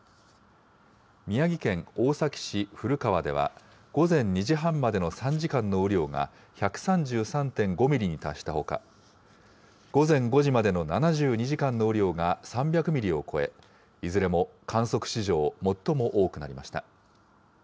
宮城県大崎市古川では、午前２時半までの３時間の雨量が、１３３．５ミリに達したほか、午前５時までの７２時間の雨量が３００ミリを超え、いずれも観測史上最も多くなりました。